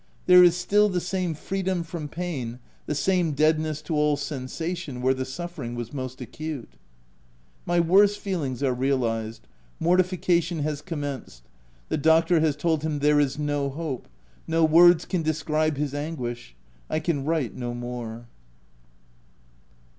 There is still the same freedom from pain — the same deadness to all sensation where the suffering was most acute. My worst fears are realized — mortification has commenced. The doctor has told him there is no hope — no words can describe his anguish — I can write no more.